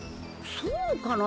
そうかな？